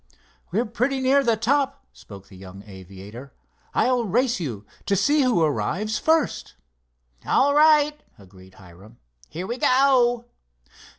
"We're pretty near the top," spoke the young aviator. "I'll race you to see who arrives first." "All right," agreed Hiram. "Here we go."